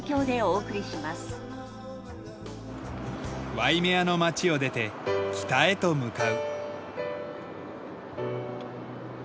ワイメアの町を出て北へと向かう。